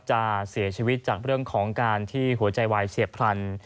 จะเสียชีวิตจากเรื่องของการที่หัวใจวายเฉียบพลัน